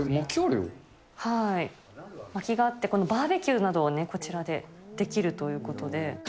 まきがあって、バーベキューなどをこちらでできるということで。